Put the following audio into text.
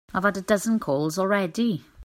I've had a dozen calls already.